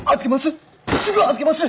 預けます！